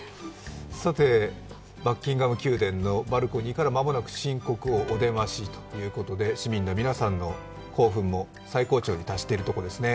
バッキンガム宮殿のバルコニーから、まもなく新国王、お出ましということで市民の皆さんの興奮も最高潮に達しているところですね。